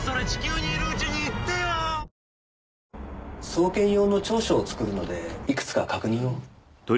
送検用の調書を作るのでいくつか確認を。